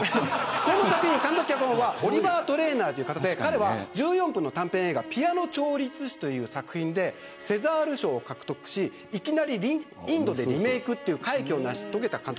この作品の監督、脚本はオリバー・トレイナーという方で彼はピアノ調律師という作品でセザール賞を獲得しいきなりインドでリメークという快挙を成し遂げた監督。